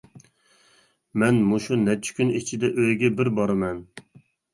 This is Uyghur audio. مەن مۇشۇ نەچچە كۈن ئىچىدە ئۆيگە بىر بارىمەن.